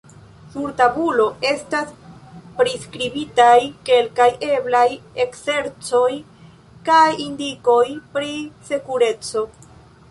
Sur tabulo estas priskribitaj kelkaj eblaj ekzercoj kaj indikoj pri sekureco.